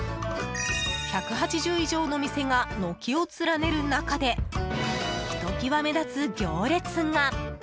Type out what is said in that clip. １８０以上の店が軒を連ねる中でひときわ目立つ行列が。